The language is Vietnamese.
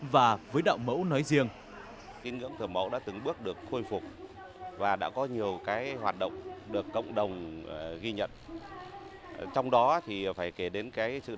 và với đạo mẫu của giáo sư